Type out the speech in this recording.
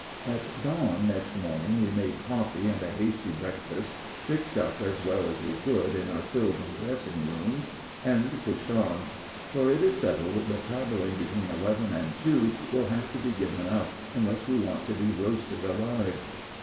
At dawn next morning we made coffee and a hasty breakfast, fixed up as well as we could in our sylvan dressing rooms, and pushed on; for it is settled that traveling between eleven and two will have to be given up unless we want to be roasted alive.